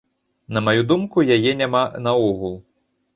На маю думку, яе няма наогул.